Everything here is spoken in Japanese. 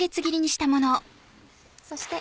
そして。